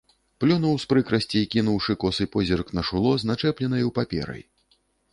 Плюнуў з прыкрасці, кінуўшы косы позірк на шуло з начэпленаю паперай.